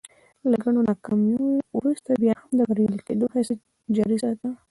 له ګڼو ناکاميو ورورسته بيا هم د بريالي کېدو هڅې جاري ساته.